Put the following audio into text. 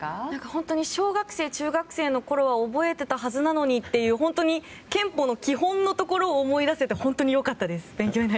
本当に小学生中学生のころは覚えていたはずなのにという憲法の基本のところを思い出せて良かったです。